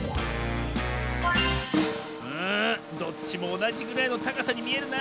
うんどっちもおなじぐらいのたかさにみえるなあ。